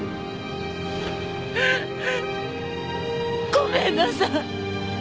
ごめんなさい！